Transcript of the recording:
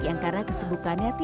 yang karena kesembuhannya tersusun